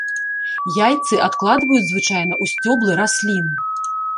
Яйцы адкладваюць звычайна ў сцёблы раслін.